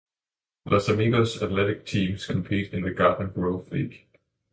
Los Amigos' athletic teams compete in the Garden Grove League.